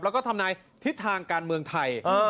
และก็ธรรมนาทีทางการเมืองไทย